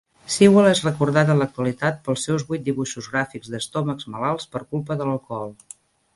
Sewell és recordat en l'actualitat pels seus vuit dibuixos gràfics d'estómacs malalts per culpa de l'alcohol.